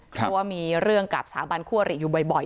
เพราะว่ามีเรื่องกับสถาบันคั่วหรี่อยู่บ่อย